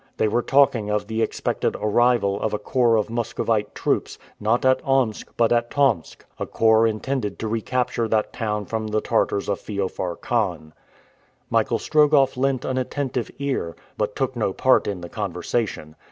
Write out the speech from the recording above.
They were talking of the expected arrival of a corps of Muscovite troops, not at Omsk, but at Tomsk a corps intended to recapture that town from the Tartars of Feofar Khan. Michael Strogoff lent an attentive ear, but took no part in the conversation.